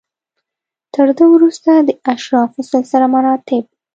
تر ده وروسته د اشرافو سلسله مراتب و.